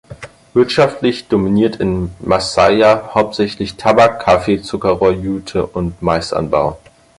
Wirtschaftlich dominiert in Masaya hauptsächlich Tabak-, Kaffee-, Zuckerrohr-, Jute- und Maisanbau.